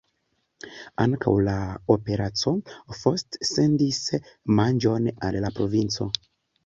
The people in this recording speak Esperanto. Ankaŭ la Operaco Faust sendis manĝon al la provinco.